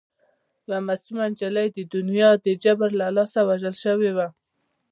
یوه معصومه نجلۍ د دنیا د جبر له لاسه وژل شوې وه